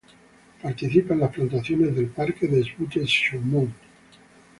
Participa en las plantaciones del parque des Buttes-Chaumont.